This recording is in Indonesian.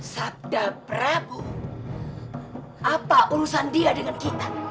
sabda prabu apa urusan dia dengan kita